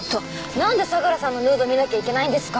なんで相良さんのヌード見なきゃいけないんですか？